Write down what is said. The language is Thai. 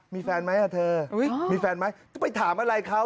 มีแฟนไหมเธอมีแฟนไหมจะไปถามอะไรเขา